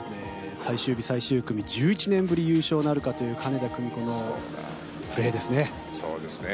最終日最終組１１年ぶり優勝なるかという金田久美子のプレーですね。